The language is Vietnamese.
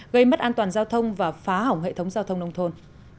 gây mất an toàn giao thông và phá hỏng hệ thống giao thông nông thôn